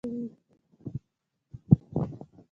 کارګران په شپږو میاشتو کې دوه زره جوړې بوټان تولیدوي